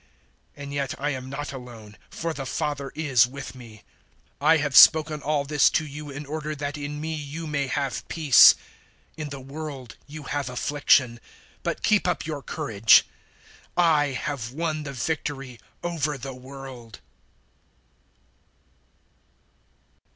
And yet I am not alone, for the Father is with me. 016:033 "I have spoken all this to you in order that in me you may have peace. In the world you have affliction. But keep up your courage: *I* have won the victory over the world."